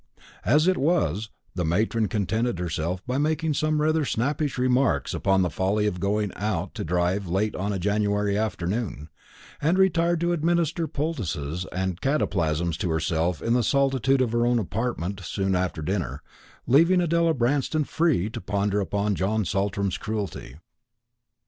As it was, the matron contented herself by making some rather snappish remarks upon the folly of going out to drive late on a January afternoon, and retired to administer poultices and cataplasms to herself in the solitude of her own apartment soon after dinner, leaving Adela Branston free to ponder upon John Saltram's cruelty.